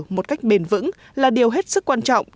một cách bền vững là điều hết sức quan trọng